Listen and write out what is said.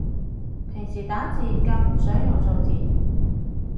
平時打字更唔想用數字